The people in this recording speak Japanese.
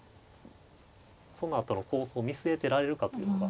そのあとの構想を見据えてられるかというのが。